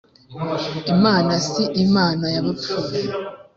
imana si imana y abapfuye